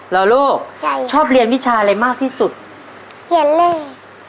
แล้วลูกใช่ชอบเรียนวิชาอะไรมากที่สุดเขียนเลย